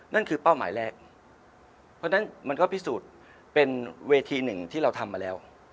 นั่นคือเป้าหมายแรกเพราะฉะนั้นมันก็พิสูจน์เป็นเวทีหนึ่งที่เราทำมาแล้ว